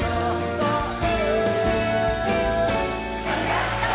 「ありがとう！！」